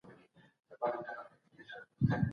کمپيوټر د قانون مرسته کوي.